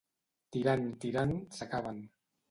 Tirant, tirant, s'acaben.